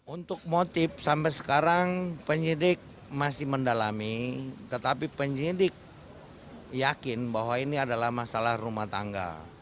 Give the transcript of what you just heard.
untuk motif sampai sekarang penyidik masih mendalami tetapi penyidik yakin bahwa ini adalah masalah rumah tangga